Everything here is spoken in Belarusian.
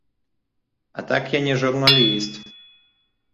А так я не журналіст.